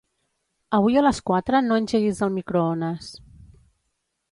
Avui a les quatre no engeguis el microones.